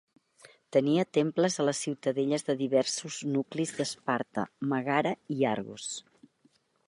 Tenia temples a les ciutadelles de diversos nuclis d'Esparta, Mègara i Argos.